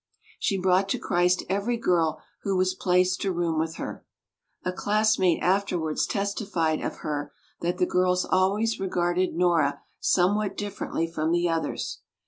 She brought to Christ every girl who was placed to room with her. A classmate afterwards testified of her that the girls always regarded Nora somewhat differently from the others.